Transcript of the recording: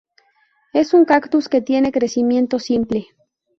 Es un cactus que tiene crecimiento simple.